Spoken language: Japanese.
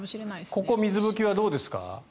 ここ水拭きはどうですか？